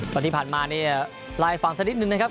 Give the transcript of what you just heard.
ตอนที่ผ่านมาลายฝังสักนิดหนึ่งนะครับ